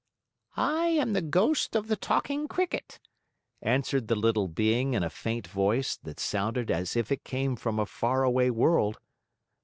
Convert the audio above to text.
"I am the ghost of the Talking Cricket," answered the little being in a faint voice that sounded as if it came from a far away world.